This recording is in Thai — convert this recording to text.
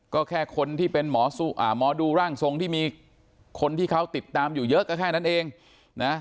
ก็แค่คนที่เป็นหมอดูร่างทรงที่มีคนที่เขาติดตามอยู่เยอะก็แค่นั้นเองนะ